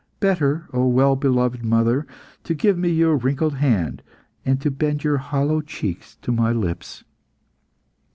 Better, O well beloved mother, to give me your wrinkled hand, and bend your hollow cheeks to my lips."